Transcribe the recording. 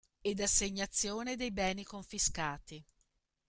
Ed assegnazione dei beni confiscati.